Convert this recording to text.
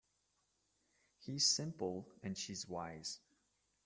He's simple and she's wise.